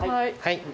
はい。